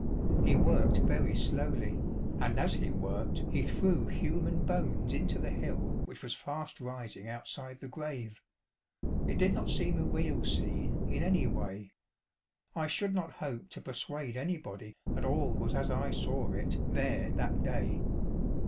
He worked very slowly, and as he worked he threw human bones into the hill which was fast rising outside the grave. It did not. seem a real scene in any way. I should not hope to persuade anybody that all was as I saw it there that day.